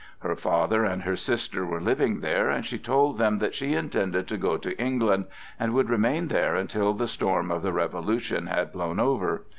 Her father and her sister were living there, and she told them that she intended to go to England, and would remain there until the storm of the Revolution had blown over.